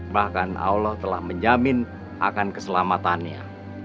bahkan allah telah menjamin akan keselamatannya